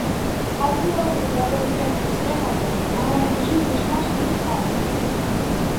ადგილობრივი აბორიგენების ენაზე, მარამბიჯი ნიშნავს „დიდ წყალს“.